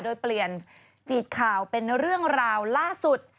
โดยเปลี่ยนกีดข่าวเป็นเรื่องราวล่าสุด